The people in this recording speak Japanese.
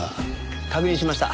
確認しました。